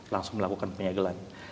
langsung melakukan penyegelan